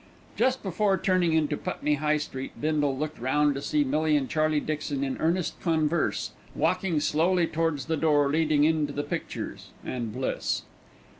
Just before turning into Putney High Street Bindle looked round to see Millie and Charlie Dixon in earnest converse, walking slowly towards the door leading in to the pictures and bliss.